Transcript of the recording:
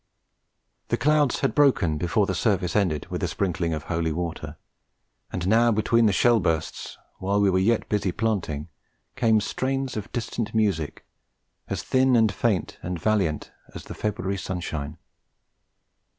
The clouds had broken before the service ended with the sprinkling of Holy Water; and now between the shell bursts, while we were yet busy planting, came strains of distant music, as thin and faint and valiant as the February sunshine.